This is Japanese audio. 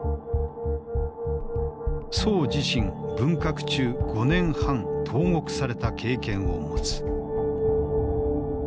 宋自身文革中５年半投獄された経験を持つ。